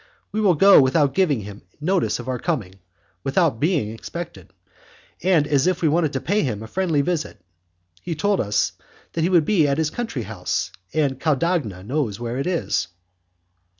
We will go without giving him notice of our coming, without being expected, and as if we wanted to pay him a friendly visit. He told us that he would be at his country house, and Caudagna knows where it is."